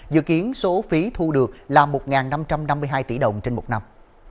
dự kiến số phí thu được là một năm trăm năm mươi hai tỷ đồng trên một năm